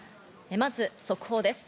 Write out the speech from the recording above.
まず速報です。